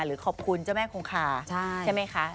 หรือขอบคุณเจ้าแม่คงคาใช่ไหมคะ